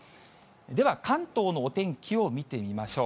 では関東のお天気を見てみましょう。